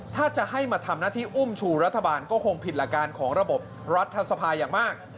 ถ้าจะให้มาทำหน้าที่อุ้มชูรัฐบาลก็คงผิดหลักการของระบบรัฐสภาอย่างมาก